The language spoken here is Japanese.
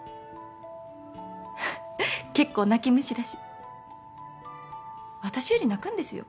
結構泣き虫だし私より泣くんですよ。